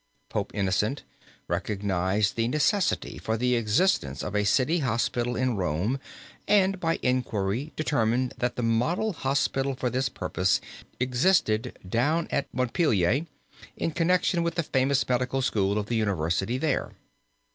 Pope Innocent recognized the necessity for the existence of a city hospital in Rome and by inquiry determined that the model hospital for this purpose existed down at Montpelier in connection with the famous medical school of the university there.